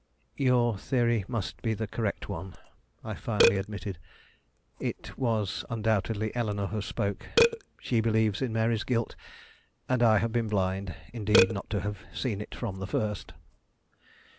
"Your theory must be the correct one," I finally admitted; "it was undoubtedly Eleanore who spoke. She believes in Mary's guilt, and I have been blind, indeed, not to have seen it from the first."